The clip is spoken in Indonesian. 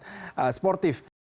dimana dilakukan dengan sangat sportif